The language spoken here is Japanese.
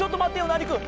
ナーニくん！